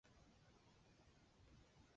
举办过奥运会的国家可以有两名委员。